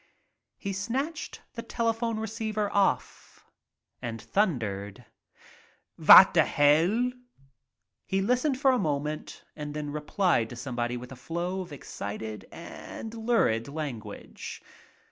He snatched the telephone receiver off and thun dered: "Vat the hell ?"»' 78 GIRL WHO WANTED WORK He listened for a moment and then replied to somebody with a flow of excited and lurid language.